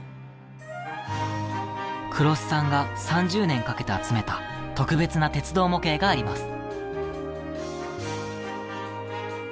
黒須さんが３０年かけて集めた特別な鉄道模型があります。